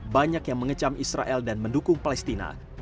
banyak yang mengecam israel dan mendukung palestina